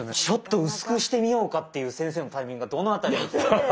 「ちょっと薄くしてみようか」っていう先生のタイミングがどの辺りだったのか。